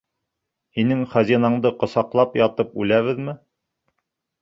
Һинең хазинаңды ҡосаҡлап ятып үләбеҙме?